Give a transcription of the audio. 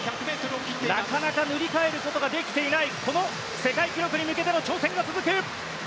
なかなか塗り替えることができていない世界記録に向けての挑戦が続く。